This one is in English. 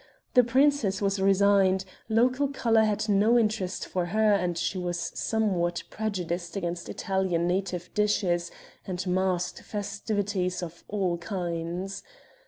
The princess was resigned; local color had no interest for her and she was somewhat prejudiced against Italian native dishes and masked festivities of all kinds.